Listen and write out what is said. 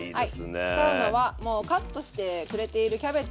はい使うのはもうカットしてくれているキャベツ。